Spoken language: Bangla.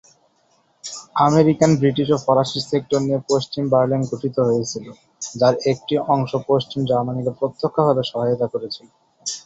আমেরিকান, ব্রিটিশ ও ফরাসি সেক্টর নিয়ে পশ্চিম বার্লিন গঠিত হয়েছিল, যার একটি অংশ পশ্চিম জার্মানিকে প্রত্যক্ষভাবে সহায়তা করেছিল।